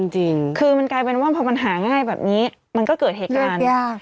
จริงคือมันกลายเป็นว่าพอมันหาง่ายแบบนี้มันก็เกิดเหตุการณ์ยาก